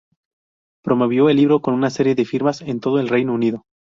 Promovió el libro con una serie de firmas en todo el Reino Unido.